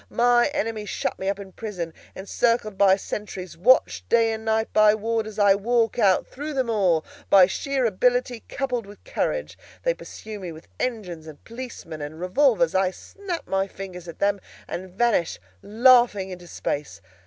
My enemies shut me up in prison, encircled by sentries, watched night and day by warders; I walk out through them all, by sheer ability coupled with courage. They pursue me with engines, and policemen, and revolvers; I snap my fingers at them, and vanish, laughing, into space.